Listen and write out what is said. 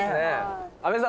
阿部さん